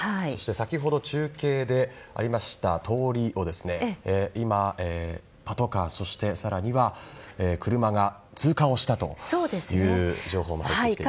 先ほど中継でありました通りを今、パトカーそして車が通過したという情報も入っています。